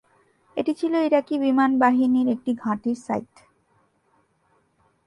এটি ছিল ইরাকি বিমানবাহিনীর একটি ঘাঁটির সাইট।